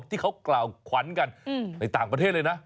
ที่เขากล่าวขวัญกันในต่างประเทศเลยนะ